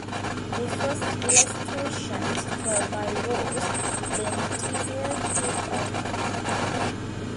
The first illustrations were by Ross, then Tessier took over.